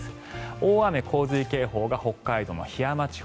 大雨・洪水警報が北海道の檜山地方